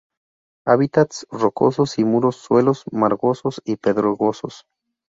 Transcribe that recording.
Hábitats rocosos y muros, suelos margosos y pedregosos.